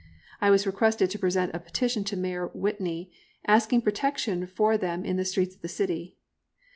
I was requested to present a petition to Mayor Whitney asking protection for them in the streets of the city.